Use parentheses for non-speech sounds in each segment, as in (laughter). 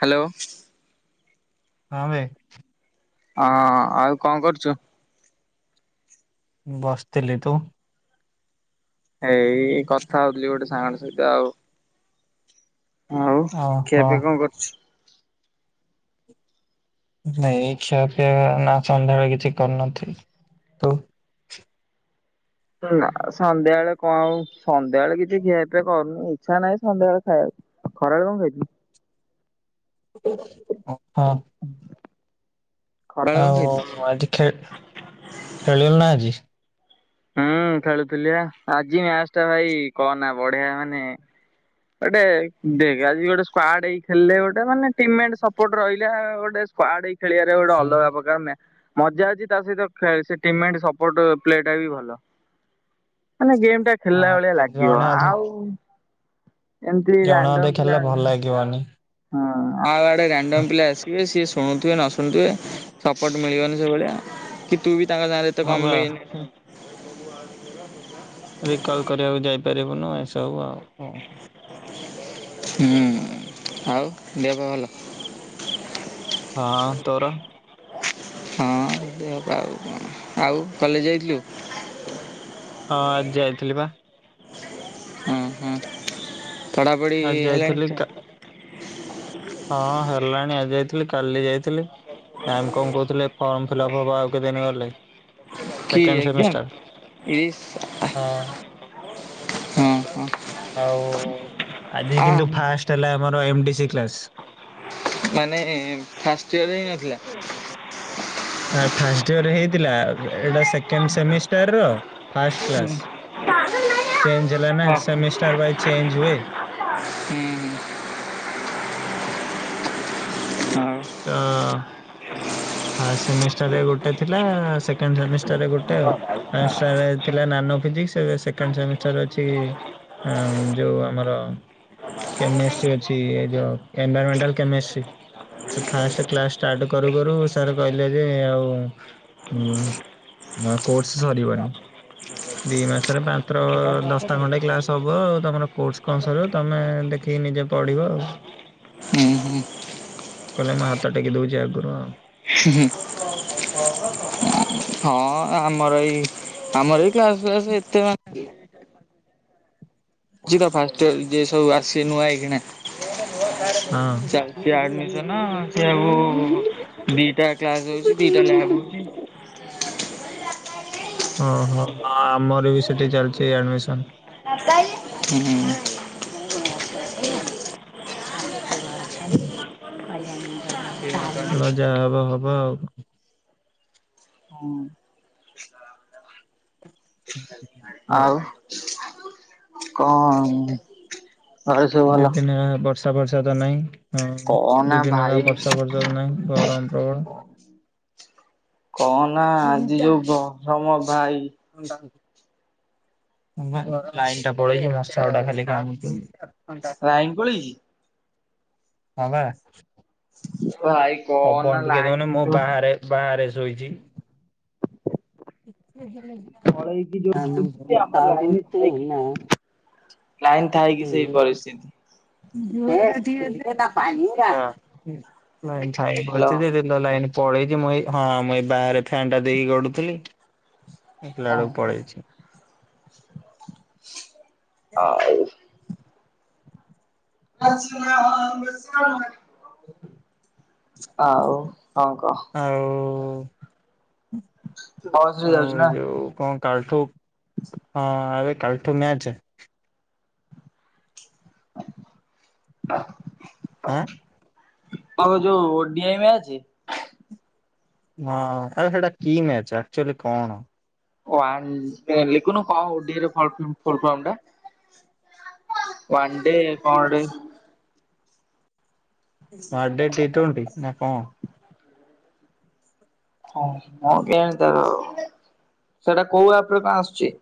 Hello. ହଁ ଭାଇ। ହଁ ଆଉ କଣ କରୁଛୁ । ବସଥିଲି ତୁ? ଏଇ କଥା ହଉଥିଲି ଗୋଟେ ସାଙ୍ଗ ସହିତ ଆଉ ଆଉ ଓହୋ କେବେ କଣ କରୁଛୁ? ନାଇ ଖିଆପିଆ ନା ସନ୍ଧ୍ୟାରେ ବେଳେ କିଛି କରିନଥିଲି ତୁ? ନା ସନ୍ଧ୍ୟାବେଳେ କଣ ଆଉ ସନ୍ଧ୍ୟା ବେଳେ କିଛି ଖିଆ ପିଆ କରୁନି ଇଚ୍ଛା ନାହିଁ ସନ୍ଧ୍ୟାବେଳେ ଖାଇବାକୁ। ଖରାଳେ କଣ ଖାଇଥିଲୁ? ହଁ। ଖରାବେଳେ କଣ ଆଉ ଖାଇଥିଲୁ? ଆଜି ଖେ ଖେଳିଲୁ ନା ଆଜି? ହୁଁ ଖେଳୁଥିଲି ଆ ଆଜି ମ୍ୟାଚ ଟା ଭାଇ କହନା ବଢ଼ିଆ ମାନେ ଗୋଟେ ଦେଖ ଆଜି ଗୋଟେ ସ୍କ୍ୱାର୍ଡ ହେଇଥିଲେ ଗୋଟେ ମାନେ ଟିମ୍ ସପୋର୍ଟ ରହିଲେ ଗୋଟେ ସ୍କ୍ୱାର୍ଡ ଖେଳିବାରେ ଗୋଟେ ହଁ ଅଲଗା ପ୍ରକାରର ମଜା ଅଛି ତା ସହିତ ଖେ ଟିମମେଣ୍ଟ ସପୋର୍ଟ ପ୍ଲେ ଟା ବି ଭଲ ମାନେ ଗେମ୍ ଟା ଖେଳିଲା ଭଳିଆ ଆଜି ଲାଗିବ ଜଣେ ଅଧେ ଆଉ ଏମିତି ଜଣେ ଅଧେ ରାଣ୍ଡମ୍ ପିଲା ଖେଳିଲେ ଭଲ ଲାଗିବନି। ହଁ ଆଉ ଇଆଡେ ରାଣ୍ଡମ୍ ପିଲା ଆସିିବେ ସିଏ ସବୁ ଶୁଣୁଥିବେ ନ ଶୁଣୁଥିବେ ସପୋର୍ଟ ମିଳିବନି ସେଭଳିଆ କି ତୁ ବି ତାଙ୍କ ନାଁରେ ତ ହଁ ବା କମ୍ୱାଇନ୍ ଦେବ ନୁହ ଏ ସବୁ ଆଉ କଣ ହୁଁ ଆଉ ଦେହପାହ ଭଲ? ହଁ ତୋର? ହଁ ଦେହ ପା ଆଉ କଣ ଆଉ କଲେଜ ଯାଇଥିଲୁ? ହଁ ଆ ଯାଇଥିଲିପା। ହଁ ହଁ ପଢ଼ାପଢ଼ି ଆଜି ଯାଇଥିଲି ହେଲାଣି। କା- ହଁ ହେଲାଣି ଆଜି ଯାଇଥିଲି କାଲି ଯାଇ ଥିଲ ଆମେ କଣ କହୁଥିଲେ ଫର୍ମ ଫିଲପ ହବ ଆଉ କେତେ ଦିନ ଗଲେ। କି ସେକେଣ୍ଡ ଏକ୍ଜାମ? ସେମିଷ୍ଟର ଇସ୍ ହଁ। ହଁ ହଁ ଆଉ ଆଜି ଆ କିନ୍ତୁ ଫାଷ୍ଟ ହେଲା ଆମର ଏମ ଡି ସି କ୍ଲାସ୍। ମାନେ ଫାଷ୍ଟ ଇୟର ହେଇନଥିଲା। ଆ ଫାଷ୍ଟ ଇୟର ହେଇଥିଲା, ଏଇଟା ସେକେଣ୍ଡ ସେମିଷ୍ଟାର ର ଫାଷ୍ଟ କ୍ଲାସ ଚେଞ୍ଜ ହେଲା ନା ହଁ ସେମେଷ୍ଟର ୱାଇଜ ଚେଞ୍ଜ ହୁଏ। ହୁଁ। ହୁଁ ତ ଫା ସେମିଷ୍ଟରରେ ଗୋଟେ ଥିଲା, ସେକେଣ୍ଡ ସେମିସ୍ ଏଟାରେ ଗୋଟେ ଆଉ, ଫାଷ୍ଟାରେ ଥିଲା ନାନୋ ଫିିଜ୍କିସ୍। ଏବେ ସେକେଣ୍ଡ ସେମିଷ୍ଟାର ଅଛି, ଅଁ, ଯୋଉ ଆମର କେମିଷ୍ଟ୍ରି ଅଛି ଏ ଯୋଉ environmental chemistry. First class start କରୁ କରୁ ସ ସାର୍ କହିଲେ ଯେ, ଆଉ ଉ କୋର୍ସ ସରିବନି। ଦି ମାସରେ ମାତ୍ର ଦଶଟା ଖଣ୍ଡେ କ୍ଲାସ୍ ହବ। ଆଉ ତୋମର କୋର୍ସ୍ କଣ ସରିବ। ତୋମେ ଦେ କି ନିଜେ ପଢିବ ଆଉ। ହୁଁ, ହୁଁ। କହିଲେ ମୁଁ ହାତ ଟେକି ଦଉଚି ଆଗରୁ। ହୁଁ ହୁଁ। ହଁ ଆମର ଏଇ ଆମର ଏଇ କ୍ଲାସ୍ ଫ୍ଲାସ ଏତେ ମାନେ ଯିବା ଫାଷ୍ଟ ଇଅର୍ ଯିଏ ସବୁ ଆସିବେ ନୂଆ ଏକ୍ଷିଣା। ହଁ। ଚାଲଚି ଆଡମିସନ୍, ସେୟାକୁ ଦିଟା କ୍ଲାସ୍ ହଉଚି। ଦି ଯାହା ଲାଗୁଚି ଓହୋ, ହଁ ଆମର ବି ସେଠି ଚାଲିଛି ଏଡମିସନ୍। ହୁଁ। (inaudible) (unintelligible) ଛାଡ଼ ଯାହା ହବ ହବ ଆଉ। (inaudible) ହଉ ଆଉ କଣ? ଘରେ ସବୁ ଭଲ? ଦିଦିନ ହେଲା ବର୍ଷା ବର୍ଷା ତ ନାହିଁ। ହଁ କହନା ଦି ଦିନ ହେଲା ଭାଇ ବର୍ଷା ଫର୍ଷା ତ ନାହିଁ ଗରମ ପ୍ରବଳ। କହ ନା ଆଜି ଯୋଉ ଗରମ ଭାଇ। ଥଣ୍ଡା ହଉଚୁ। ଭାଇ ମୋର ଲାଇନ୍ ଟା ପଳେଇଚି, ମଶାଗୁଡା ଖାଲି କାମୁଡୁଚୁ। ଲାଇନ୍ ପଳେଇଚି? ହଁ ପା। ଭାଇ କହନା ପବନ ଟିକେ ଲାଇନ ଦଉନି, ମୁଁ ତ ବାହାରେ ବାହାରେ ଶୋଇଛି। ହୁଁ, ହୁଁ। ପଳେଇଚି ଯୋଉ ପରିସ୍ଥିତି, ଆମର ଥାଇ ଲାଇନ୍ ପଡିଥିଲି ଥାଇକି ଲାଇନ୍ ଥାଇ କିି ସେଇ ପରିସ୍ଥିତି। ହଁ। ଲାଇନ୍ ଥାଇ ହ୍ୟାଲୋ ଭୋଲ୍ଟେଜ ଯେ ଗ ଲାଇନ ପଳେଇଛି ମୁ ଏଇ, ହଁ ମୁ ଏଇ ବାହାରେ ଫ୍ୟାନଟା ଦେଇକି ପଡ଼ୁଥିଲି। ଆସିଲାବେଳକୁ ଓହୋ ପଳେଇଛି। ଆଉ ଆଉ। ହଁ କହ। ହଉ ବସ ରେ ଆଉ ଯାଉଛୁ ଏ ନା ଯୋଉ କଣ? କାଲଠୁ। ହଁ ଆବେ କାଲଠୁ ମ୍ୟାଚ୍। ଆଁ? ଓହଁ ଯୋଉ ଓଡ଼ିଆଇ ମ୍ୟାଚ୍। ହଁ ଆବେ ସେଟା କି ମ୍ୟାଚ୍ ଆକ୍ଚଲି କଣ? ଓ ଆନ ଏ ଲିକୁନୁ କଣ ଓ ଡି ରେ ଫର୍ମଫୁ ଫୁଲ୍ ଫର୍ମ ଟା? ୱାଣ୍ଡେ କଣ ଗୋଟେ। ୱାନଡେ ଟି ଟୱାନ୍ତି ନାଁ କ ହ ହଁ କେଣ ତାର ସେଟା କୋଉ ଆପ୍ କଣ ଆସୁଛି?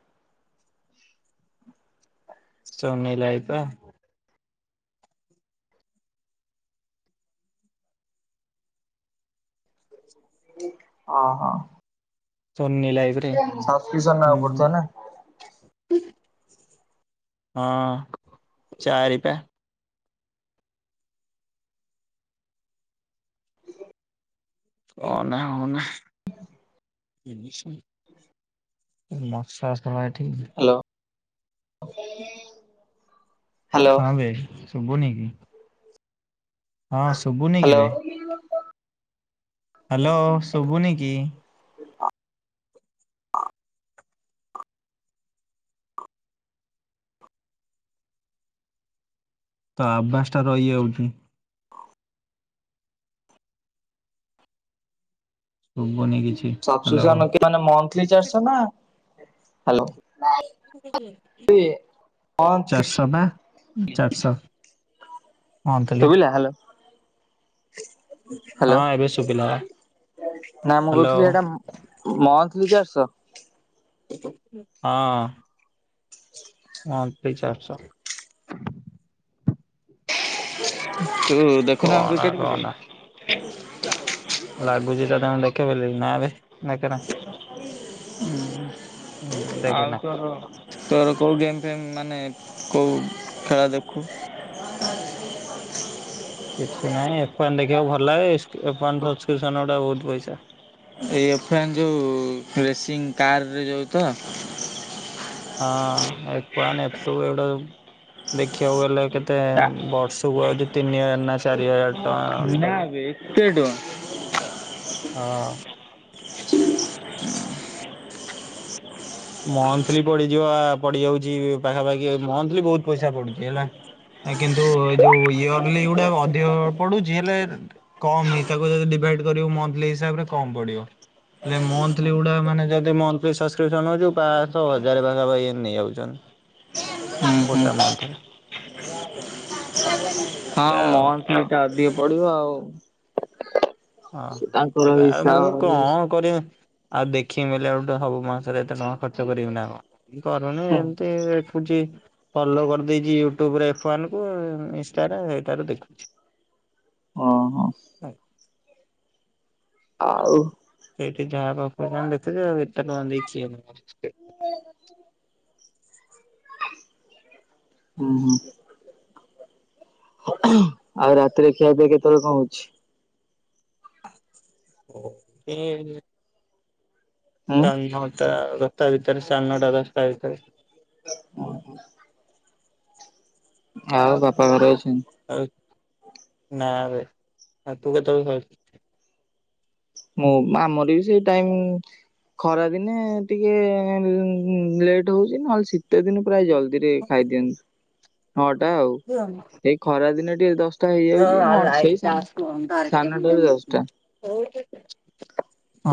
(unintelligible) ହଁ ହଁ। ସୋନି ଲାଇଭି ରେ ନବାକୁ ହୁଁ। ପଡୁଥିବ ନା ହଁ ଚାରାରିପା। ହିଁ ନାଁ ହଁ ନାଁ। ମାସ ଭ ଠିକ ହ୍ୟାଲୋ। ହ୍ୟାଲୋ ହଁ ଭାଇ ସୁବୁ ନ କିି। ହ୍ୟାଲୋ। ହ୍ୟାଲୋ ଶୁଭୁନ କି? ତ ଆଭସ ଟା ରହି ଯାଉଚି। ଶୁଭୁନି କିଛି ସ ହ୍ୟାଲୋ। ମାନେ ମନ୍ଥିଲି ଚାରିଶ ନା ହ୍ୟାଲୋ। ସେ ହ ଚାରିଶହ ବା ଚାରିଶହ ମନ୍ଥଲି ଶୁଭିଲା ହ୍ୟାଲୋ। ହ୍ୟାଲୋ ହଁ ଏବେ ଶୁଭିଲା ନା ମୁଁ ହ୍ୟାଲୋ। କହୁଥିଲି ଏଟା ମନ୍ ଦୁଇ ଚାରିଶହ। ହଁ। ହ ଦୁଇ ଚାରିଶହ। ତୁ ଦେଖୁନା କହନା କ୍ରିକେଟ। କହନା ଲାଗୁଛି ତ ତାଙ୍କୁ ଦେଖେବ ନା ଏବେ ଦେଖନା। ହୁଁ ଆଉ ତ ତୋର କୋଉ ଗେମ୍ ଫେମ ମାନେ କୋଉ ଖେଳ ଦେଖୁ? (inaudible) କିଛି ନାହିଁ ଏଫ ୱାନ (unintelligible) ବହୁତ ପଇସା। ଏଇଫନ୍ ଯୋଉ ରେସିଂ କାରରେ ଯୋଉ ତ? ହଁ ଏଫୱନ୍ ଏଫ୍ ଟୁ ଏଗଟା ଦେଖିବାକୁ ଗଲେ କେତେ ବ ସୁଉଛି ତିନି ହଜାର ନା ଚାରି ହଜାର ଟଙ୍କା ଦବୁ। ନାବେ ଏତେ ଟଙ୍କା। ହଁ। ମନ୍ଥଲି ପଡିଯିବ ପଡିଯାଉଛି, ପାଖାପାଖି ମଥଲି ବହୁତ ପଇସା ପଡୁଛି ହେଲା। କିନ୍ତୁ ଏ ଯୋଉ ଇୟରଲି ଗୁଟା ଅଧିକ ପଡୁଛି, ହେଲେ କମ ହେ ତାକୁ ଯ ଡିଭାଇଡ୍ କରିବୁ ମନ୍ଥିଲ୍ ହିସାବରେ କମ ପଡିବ। ହେଲେ ମନଥିଲି ଗୁଡା ମାନେ ଯଦି ମନଥୀଲି ସସକିପସନ (unintelligible) ପାଶହ ହଜାର ପାଖାପାଖି ଏ ନେଇଯାଉଛନ୍। ହୁଁ ହୁଁ ଗୋଟା ମନ୍ଥରେ। ହଁ ଏଇଆ ଆଉ। ମନ୍ଥଲି ଅଧିକ ପଡିବ ଆଉ। ହଁ ତାଙ୍କର ସେ ଆଉ ମୁଁ ହିସାବରେ କଣ କରିବି। ଆଉ ଦେଖି ବେଲେ ଆ ହବୁ, ସବୁ ମାସରେ ଏତେ ଟଙ୍କା ଖର୍ଚ୍ଚ କରି ବିନା କଣ, ଆ କରୁନି ଏମତି ଛି ଫଲୋ କରିଦେଇଛି ୟୁଟ୍ୟୁବରେ ଏଫ୍ ଉଆନ ନିଷ୍ଠାରେ ସେଇଠାରେ ଦେଖୁଛି। ହଁ, ହଁ। ଆଉ। ଆଉ ସେଇଠି ଯାହା ପାଖ ଦେଖୁଛ ଏତେ ଟଙ୍କା ଦେଇକି କିଏ ଦେ (inaudible) ହୁଁ ହୁଁ ଆଉ ରାତିରେ ଖିଆ, ପିଆ କେତେବେଳେ କଣ, ହଉଛି? ଓ, ଏ ହୁଁ ହ (unintelligible) ଟା, ଦସଟା ଭିତରେ ସାଢ଼େ ନଅଟା ଦଶଟା ଭିତରେ ଆଉ ବାପା ଘରେ ଅଛି? ଉ ନାରେ ତୁ କେତ ମୁଁ ଆମର ବି ସେଇ ଟାଇମ ଖରା ଦିନେ ଟିକେ ଲେଟ୍ ହଉଛି ନହେଲେ ଶୀତ ଦିନ ପ୍ରାୟ ଜଲଦି ଧିରେ ଖାଇ ଦିଅନ୍ତି। ଏଇ ଖରା ଦିନେ ଟିକେ ଦଶଟା ହେଇଯାଉଛି (unintelligible) ନ ସେଇ ସା ସାନଟାରୁ ଦଶଟା (inaudible)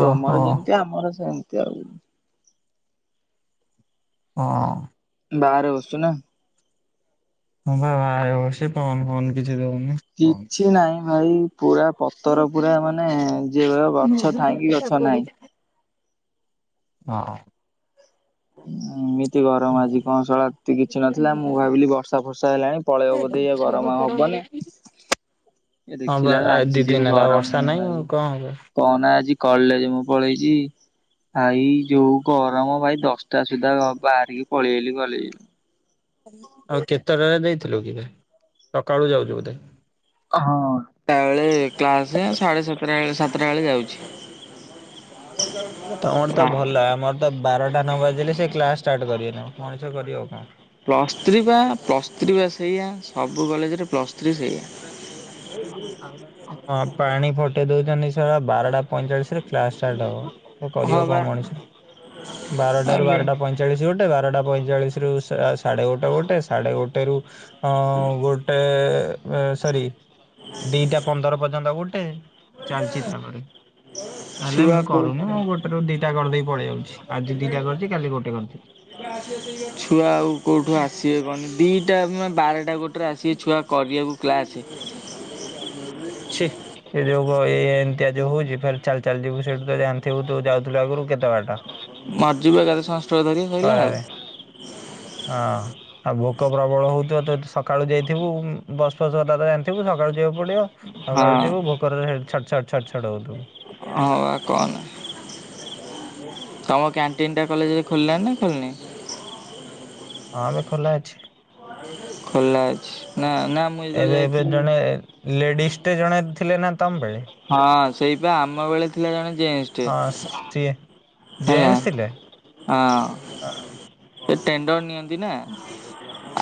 ଓହୋ ଯେମିତି ଆମର ସେମିତି ଆଉ ହଁ। ବାହାରେ ବଛୁ ନା, ହଁ ବା ବାହାରେ ବସିଛି। ପବନ ଫବନ କିଛି ଦେଉନି। କିଛି ନାହିଁ ଭାଇ ପୁରା ପତର ପୁରା ମାନେ ଯେଇ ଗଛ ଥାଇକି ଗଛ ନାହିଁ। ହଁ। ହଁ। କି ଗରମ୍ ଆଜି କଣ ଶଳା ଏତେ କିଛି ନଥିଲା। ମୁଁ ଭାବିଲି ବର୍ଷା ଫର୍ଷା ହେଲାଣି ପଳେଇବ ବୋଧେ ଏ ଗରମ ଆଉ ହବନି। ଏ ଦେଖିଲା ବେଳେ ଆଜି ଦି ଯେଉ ଦିନ ହେଲା ଗରମ ବର୍ଷା ହ ନାହିଁ ଭାଇ ଆଉ କଣ ହବ କହନା ଆଜି କଲେଜ ମୁଁ ପଳେଇଛି ଭାଇ ଯୋଉ ଗରମ ଭାଇ ଦଶ ଟା, ସୁଧା ବାହାରିକି ପଳି ଆଇଲି କଲେଜ୍ ରୁ। ଆଉ କେତେଟାରେ ଦେଇଥିଲୁ କିବେ? ସକାଳୁ ଯାଉଛୁ ବୋଧେ? ହଁ, ଟାଏଳେ କ୍ଲାସ ସାଢେ ସାତଟା ବେ ସାତ ଟା ବେଳେ ଯାଉଛି। ତମର ତ ଭଲ ଆମର ତ ବାରଟା ନ ବାଜିଲେ ସେ କ୍ଲାସ ଷ୍ଟାର୍ଟ କରିବେନି ମଣିଷ କରିବ କଣ। ପ୍ଲସ୍ ଥ୍ରୀ ବା ପ୍ଲସ୍ ଥ୍ରୀ ବା ସେଇୟା ସବୁ କଲେଜରେ ପ୍ଲସ୍ ଥ୍ରୀ ସେଇଆ। ହଁ ପାଣି ଫଟେଇ ଦଉଛନ୍ତି ଶଳା ବାରଟା ପଇଁଚାଳିଶିରେ । କ୍ଲାସ ଷ୍ଟାର୍ଟ ହବ ହଁ ।କରିବ କଣ, ବା ମଣିଷ? ବାରଟା ରୁ ଆଜ୍ଞା ବାରଟା ପଇଁଚାଳିଶ ଗୋଟେ ବାରଟା ପଇଁଚାଳିସିରୁ ସାଢେ ଗୋଟେ, ଗୋଟେ ସାଢେ ଗୋଟେ ରୁ ଅ ଗୋଟେ ସରି, ଦିଟା ପନ୍ଦର ପର୍ଯ୍ୟନ୍ତ ଗୋଟେ ଚାଲିଛି ତାପରେ। ହେଲେ ଛୁଆ ମୁଁ କୋଉଠୁ କରୁନି ମୁଁ ଗୋଟେ ରୁ ଦିଟା କରିଦେଇି ଆଜି ଦିଟା କରିଛି। କଲି ଗୋଟେ କରି ଛୁଆ ଆଉ କୋଉଠୁ ଆସିବେ କହନି? ଦିଟା ମାନେ ବାରଟା ଗୋ ରେ, ଆସିକ ଛୁଆ କରିଆକୁ କ୍ଲାସେ ଛି ଏ ଯୋଗ ହଉଛି ଫେର୍ ଚାଲି ଚାଲି ଯିବୁ ସେଠୁ ତ ଜାଣିଥିବୁ ତୁ ଯାଉଥିଲୁ ଆଗରୁ କେତେ ବାଟ। ମର୍ଯିବ ଏକାଥରେ ସଂସ ଷ୍ଟୋକ୍ ଧରିକି ସାରିଲା। ଖରାରେ ହଁ ଆଉ ଭୋକ ପ୍ରବଳ ହଉଥିବ ତ ସକାଳୁ ଯାଇଥିବୁ। ବସ ଫସ କଥା ତ ଜାଣିଥିବୁ ସକାଳୁ ଯ ସକାଳୁ ହଁ ଯିବୁ ଭୋକରେ ଛଟ, ଛଟ, ଛଡ ହଉ ଥିବୁ। ହ ବା କହନା। ତମ କ୍ୟାଣ୍ଟିନ ଟା କଲେଜରେ ଖୋଲିଲାଣି ନା ଖୋଲନି? ହଁମ ଖୋଲା ଅଛି। ଖୋଲା ଅଛି ନା ନା ମୁଁ ଯେତେବେଳେ ଏବେ ଏବେ ଯାଇଥିଲି ଜଣେ ଲେଡିସ୍ ଟେ ଜଣେ ଧି ହଁ ସେଇପା। ଆମ ବେଳେ ଥିଲା ଜଣେ ଜେନ୍ସ ଟେ। ହେଲା ଜେନ୍ସ ଥିଲେ? ହଁ ସେ ଟେଣ୍ଡର୍ ନିଅନ୍ତି ନା।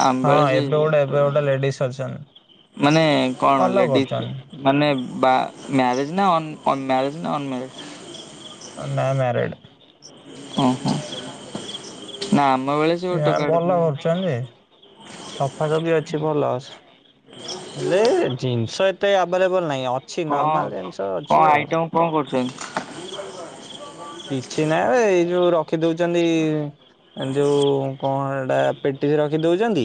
ଆମ ହଁ ବେଳେ ସେ ଏବେ ଗୋଟେ ଏବେ ଗୋଟେ (unintelligible) ଲେଡିସ୍ ଅଛନ୍ତି ମାନେ କଣ ଭଲ ଲେଡିସ୍ କରୁଛନ୍ତି ମାନେ ବା ମ୍ୟାରେଜ୍ ନା ଅନ୍ ଅନ୍ ମ୍ୟାରେଜ୍ ନା ଅନ୍ ମ୍ୟାରେଜ୍? ଅ, ନାଇ ମ୍ୟାରେଡ଼୍। ହଁ, ହଁ। ସେ ଆର ଭଲ କରୁଚନ୍ତି ଯେ। ସଫା ସଫି ଅଛି ଭଲ। ହେଲେ ଜିନିଷ ଏତେ ଆଭେଲେବଲ ନାହିଁ। ଅଛି କଣ ନର୍ମାଲ ଜିନିଷ କଣ ଅଛି ଆଉ। ଆଇଟମ କଣ କରୁଛନ୍ତି? କିଛି ନାହିଁ ବେ ଏଇ ଯୋଉ ରଖିଦଉଚନ୍ତି ଏ ଯୋଉ କଣ ହେ ବା ପେଟିସ ରଖି ଦଉଚନ୍ତି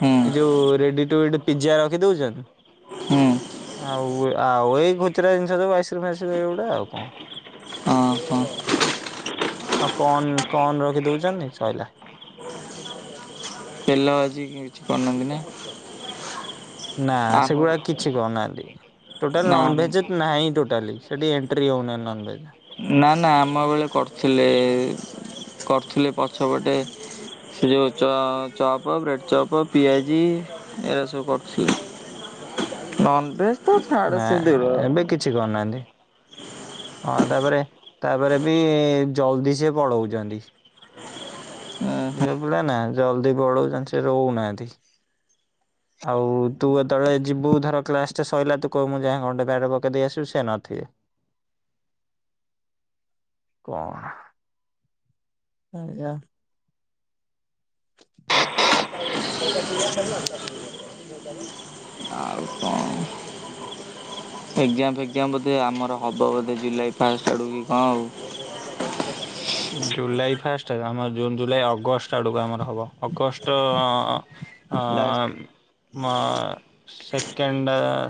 ହୁଁ ।ଏ ଯୋଉ ରେଡି ଟୁ ଇଟ୍ ପିଜା ରଖି ଦଉଛନି। ହୁଁ ଆଉ ଆଉ ଏଇ ଖୁଚୁରା ଜିନିଷ ସବୁ ଆଇସକ୍ରିମ୍ ଫାଇସକ୍ରିମ୍ ଏଗୁଡା ଆଉ କଣ। ଅଁ, ହଁ। ଆଉ କନ୍ କନ୍ ରଖି ଦଉଚନି ସଇଲା। ତେଲ ଭାଜି କି କେଛି କରୁନାହାନ୍ତି ନା? ନା ଆମ ସେଗୁଡା କିଛି କରୁନାହାନ୍ତି। ଟୋଟାଲ ନା ନନଭେଜ୍ ନାହିଁ ଟୋଟାଲି। ସେଠି ଏଣ୍ଟ୍ରି ହଉ ନାଇ ନନଭେଜ୍। ନା ନା ଆମ ବେଳେ କରୁଥିଲେ । କରିଥିଲେ ପ ଛ ପଟେ ସେ ଯୋଉ ଚ ଚପ୍ ବ୍ରେଡ଼୍ ଚପ୍ ପିଆଜି ଏରା ସବୁ କରଥିଲି। ନନଭେଜ୍ ନା ଏବେ କିଛି କରୁନାହାନ୍ତି। ହଁ ତାପରେ ତାପରେ ବି ଜଲଦି ସେ ପଳଉଚନ୍ତି। ଝିଅ ପିଲା ନା ଜଲଦି ପଳଉଚନ୍ତି, ସେ ରହୁନାହାନ୍ତି। ହଁ ଆଉ ତୁ ଯେତେବେଳେ ଯିବୁ ଧର କ୍ଲାସ୍ ଟେ ସଇଲା ତୁ କହିବୁ ମୁଁ ଯାଏ ଘଣ୍ଟେ (unintelligible) ପକେଇ ଦେଇ ଆସିବୁ, ସେ ନଥିବେ। ଆଛା କଣ, ଆଜ୍ଞା। ହୁଁ, (unintelligible) ଆଉ କଣ ଏକ୍ଜାମ ଫେକ୍ଜାମ ବୋଧେ ଆମର ହବ ବୋଧେ ଜୁଲାଇ ଫାଷ୍ଟ ଆଡକୁ କି କଣ ଆଉ। ସେଟା ଆମର ଜୁନ୍ ଜୁଲାଇ ଅଗଷ୍ଟ ଆଡକୁ ଆମର ହବ। ଅଗଷ୍ଟ ଅଁ, ହଁ ଲାଷ୍ଟ ମା ସେକେଣ୍ଡ